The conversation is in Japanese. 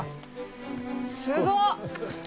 すごっ！